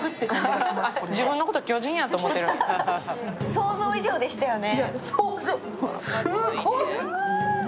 想像以上でしたよね。